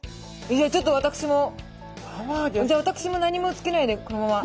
ちょっと私もじゃ私も何もつけないでこのまま。